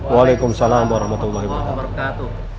waalaikumsalam warahmatullahi wabarakatuh